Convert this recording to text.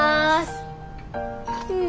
うん。